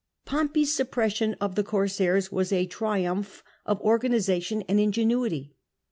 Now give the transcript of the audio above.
Pompey's suppression of the cor sairs was a triumph of organisation and ingenuity.